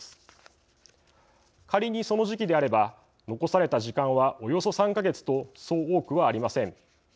仮にその時期であれば残された時間はおよそ３か月とそう多くはありません。